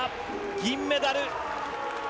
銀メダル。